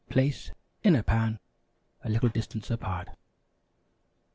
Place in pan a little distance apart.